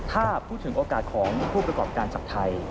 ถ้าพูดถึงโอกาสของผู้ประกอบการจากไทย